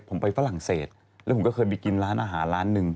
ผมไปฝรั่งเศสและก็เคยไปกินร้านอาหาร๑ล้าน